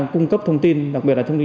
cung cấp thông tin đặc biệt là thông tin